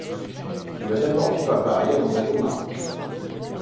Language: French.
Il va d'abord vivre à Paris, avant d'aller au Maroc.